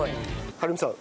はるみさん。